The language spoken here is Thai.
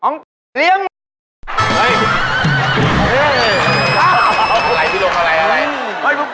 องค์เหี้ยงหมู